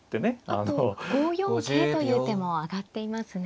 あと５四桂という手も挙がっていますね。